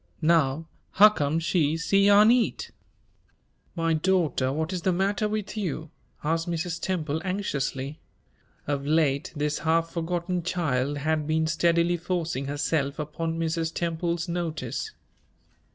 Now, huccome she c'yarn eat?" "My daughter, what is the matter with you?" asked Mrs. Temple, anxiously. Of late this half forgotten child had been steadily forcing herself upon Mrs. Temple's notice.